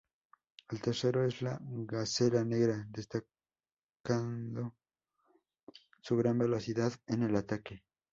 El tercero es la "Gacela Negra", destacando su gran velocidad en el ataque.